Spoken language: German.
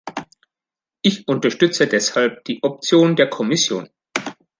Ich unterstütze deshalb die Option der Kommission.